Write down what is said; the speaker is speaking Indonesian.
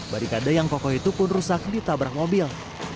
barikade yang kokoh itu pun rusak ditabrak mobil